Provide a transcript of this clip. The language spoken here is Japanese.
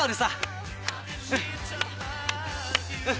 うん。